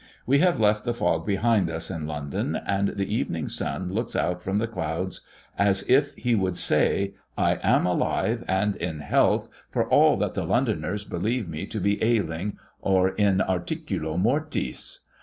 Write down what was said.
We have left the fog behind us in London, and the evening sun looks out from the clouds as if he would say "I am alive and in health, for all that the Londoners believe me to be ailing or in articulo mortis."